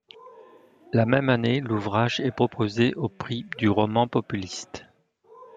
La même année l'ouvrage est proposé au Prix du roman populiste.